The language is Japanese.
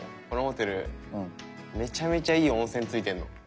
このホテルめちゃめちゃいい温泉ついてるの。